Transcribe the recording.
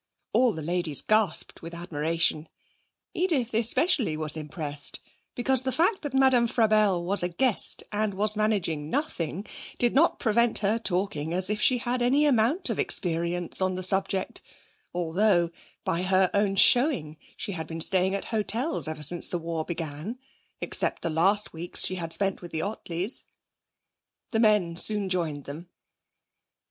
All the ladies gasped with admiration. Edith especially was impressed; because the fact that Madame Frabelle was a guest, and was managing nothing, did not prevent her talking as if she had any amount of experience on the subject, although, by her own showing she had been staying at hotels ever since the war began, except the last weeks she had spent with the Ottleys. The men soon joined them.